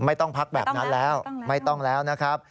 ไม่ต้องพักแบบนั้นแล้วไม่ต้องแล้วนะครับ